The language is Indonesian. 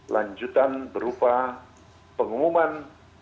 lanjutan berupa pengumuman